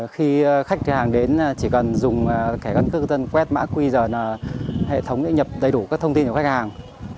khi khách hàng đến chỉ cần dùng cái gân cư dân quét mã quy giờ là hệ thống đã nhập đầy đủ các thông tin cho khách hàng